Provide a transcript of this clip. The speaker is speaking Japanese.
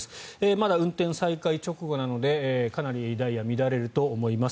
まだ運転再開直後なのでかなりダイヤ乱れると思います。